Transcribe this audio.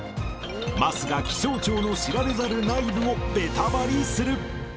桝が気象庁の知られざる内部をベタバリする。